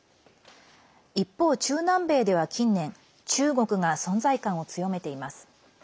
一方、中南米では近年中国が存在感を強めています。